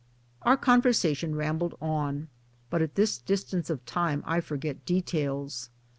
Our conversation rambled on, but at this distance of time I forget details.